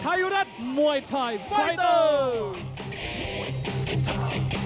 ทายุดัชมวยไทยไฟเตอร์